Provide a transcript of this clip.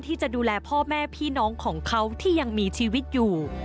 ที่จะดูแลพ่อแม่พี่น้องของเขาที่ยังมีชีวิตอยู่